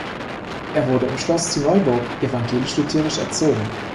Er wurde im Schloss zu Neuburg evangelisch-lutherisch erzogen.